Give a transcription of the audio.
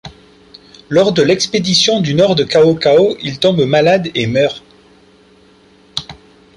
Lors de l'expédition du nord de Cao Cao, il tombe malade et meurt.